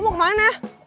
lo mau kemana